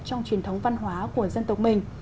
trong truyền thống văn hóa của dân tộc mình